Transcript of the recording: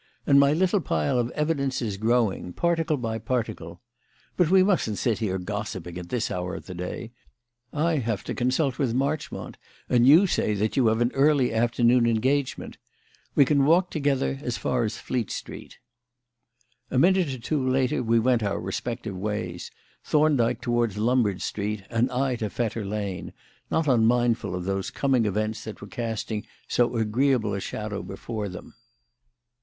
And my little pile of evidence is growing, particle by particle; but we mustn't sit here gossiping at this hour of the day; I have to consult with Marchmont and you say that you have an early afternoon engagement. We can walk together as far as Fleet Street." A minute or two later we went our respective ways, Thorndyke towards Lombard Street and I to Fetter Lane, not unmindful of those coming events that were casting so agreeable a shadow before them.